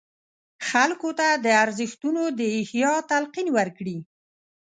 خلکو ته د ارزښتونو د احیا تلقین ورکړي.